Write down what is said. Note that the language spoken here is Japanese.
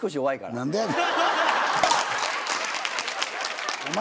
何でやねん！